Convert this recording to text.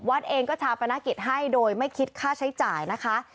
วัดเองก็ชาปนกิจให้โดยไม่คิดค่าใช้จ่ายนะคะ